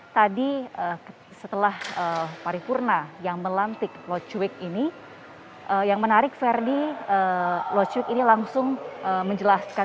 tadi setelah paripurna yang melantik ludwig ini yang menarik ferdie ludwig ini langsung menjelaskan